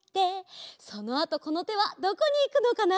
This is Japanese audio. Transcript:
そのあとこのてはどこにいくのかな？